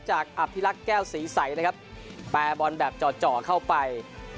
อภิรักษ์แก้วศรีใสนะครับแปรบอลแบบจ่อเข้าไป